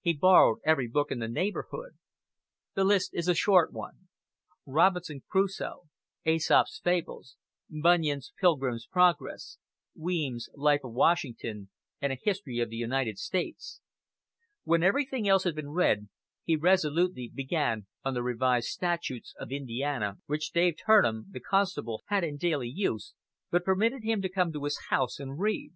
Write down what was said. He borrowed every book in the neighborhood. The list is a short one: "Robinson Crusoe," "Aesop's Fables," Bunyan's "Pilgrim's Progress," Weems's "Life of Washington," and a "History of the United States." When everything else had been read, he resolutely began on the "Revised Statutes of Indiana," which Dave Turnham, the constable, had in daily use, but permitted him to come to his house and read.